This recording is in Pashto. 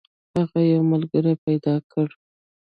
هغه یو ملګری پیدا کړ.